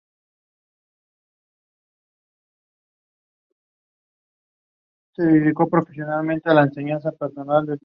El recuerdo de Iván Sisman permaneció firme durante los primeros siglos del dominio otomano.